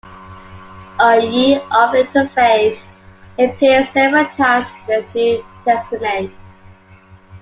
"O ye of little faith" appears several times in the New Testament.